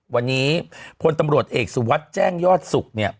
วันนี้พลตำรวจเอกสุวัสดิ์แจ้งยอดสุข